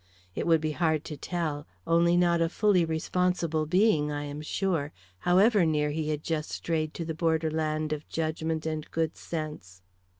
It would be hard to tell, only not a fully responsible being, I am sure, however near he had just strayed to the border land of judgment and good sense.